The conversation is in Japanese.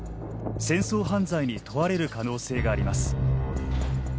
戦争犯罪に問われる可能性があります。